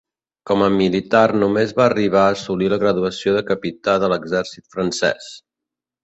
Com a militar només va arribar a assolir la graduació de capità de l'exèrcit francès.